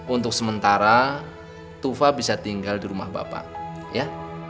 untuk sementara tufa bisa tinggal di rumah bapak ya